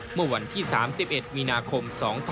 เมื่อวันที่๓๑มีนาคม๒๕๖๒